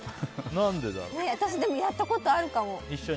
私、でもやったことあるかも。